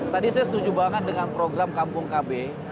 tadi saya setuju banget dengan program kampung kb